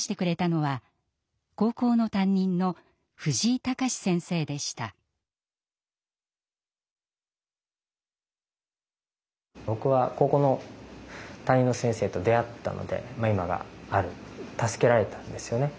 僕は高校の担任の先生と出会ったので今がある助けられたんですよね。